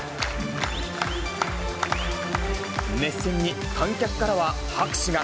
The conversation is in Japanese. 熱戦に観客からは拍手が。